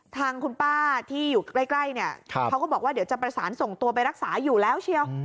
ทางคุณป้าที่อยู่ใกล้เนี่ยเขาก็บอกว่าเดี๋ยวจะประสานส่งตัวไปรักษาอยู่แล้วเชียว